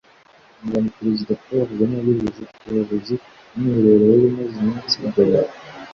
Mu ijambo Perezida Paul Kagame yagejeje ku bayobozi mu mwiherero wari umaze iminsi i Gabiro